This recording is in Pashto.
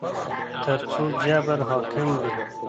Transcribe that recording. تر څو جبر حاکم وي